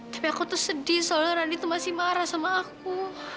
tapi aku tuh sedih soalnya randi itu masih marah sama aku